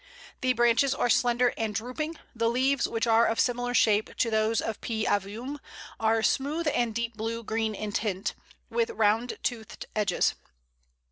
The branches are slender and drooping. The leaves, which are of similar shape to those of P. avium, are smooth and deep blue green in tint, with round toothed edges.